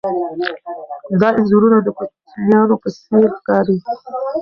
دا انځورونه د کوچنیانو په څېر ښکاري.